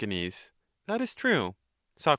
That is true. Soc.